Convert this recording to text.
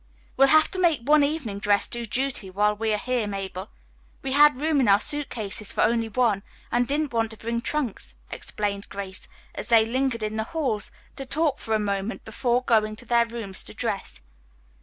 "We'll have to make one evening dress do duty while we are here, Mabel. We had room in our suit cases for only one, and didn't want to bring trunks," explained Grace, as they lingered in the hall to talk for a moment before going to their rooms to dress.